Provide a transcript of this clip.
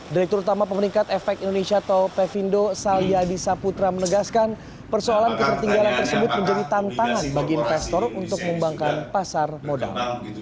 direktur utama pemerintah efek indonesia atau pevindo salyadi saputra menegaskan persoalan ketertinggalan tersebut menjadi tantangan bagi investor untuk mengembangkan pasar modal